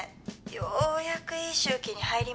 ようやくいい周期に入りましたから」